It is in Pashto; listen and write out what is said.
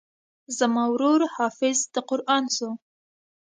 زما ورور حافظ د قران سو.